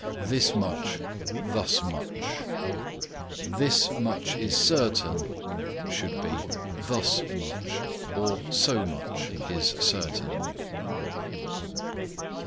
THIS MUCH THUS MUCH "This much is certain" should be "Thus much or so much is certain."